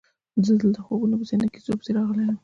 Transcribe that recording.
زه دلته خوبونو پسې نه کیسو پسې راغلی یم.